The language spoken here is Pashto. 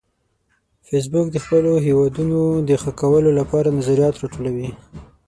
فېسبوک د خپلو هیوادونو د ښه کولو لپاره نظریات راټولوي